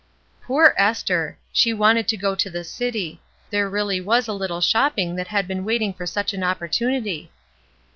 Poor Esther ! She wanted to go to the city. There really was a Uttle shopping that had been waiting for such an opportunity.